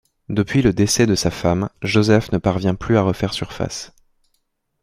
Depuis le décès de sa femme, Joseph ne parvient plus à refaire surface.